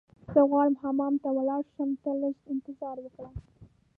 زه غواړم حمام ته ولاړ شم، ته لږ انتظار وکړه.